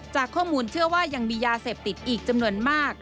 จากข้อมูลเชื่อว่ายังมียาเสพติดอีกจำนวนมาก